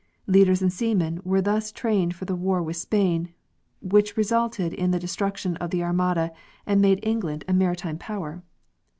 Leaders and seamen were thus trained for the war with Spain, which resulted in the destruction of the Armada and made England a maritime power.